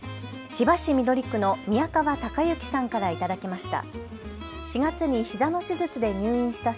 千葉市緑区の宮川隆之さんから頂きました。